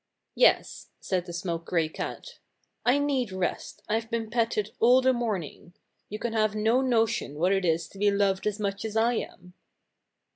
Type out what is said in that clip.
"Yes," said the smoke gray cat, "I need rest. I've been petted all the morning. You can have no no tion what it is to be loved as much as I am."